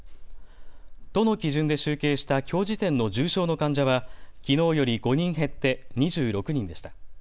都の基準で集計したきょう時点の重症の患者は、きのうより５人減って２６人でした。